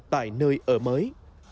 tại nơi ở mới